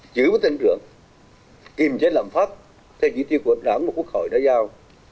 giữ mức tăng trưởng kiềm chế lạm phát theo dự tiêu của đảng và quốc hội đã giao